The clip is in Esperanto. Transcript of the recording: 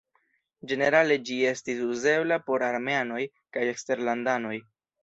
Ĝenerale ĝi estis uzebla por armeanoj kaj eksterlandanoj.